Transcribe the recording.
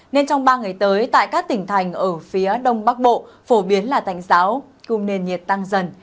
nên trong ba ngày tới tại các tỉnh thành ở phía đông bắc bộ phổ biến là tạnh giáo cùng nền nhiệt tăng dần